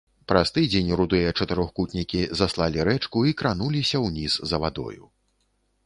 Праз тыдзень рудыя чатырохкутнікі заслалі рэчку і крануліся ўніз за вадою.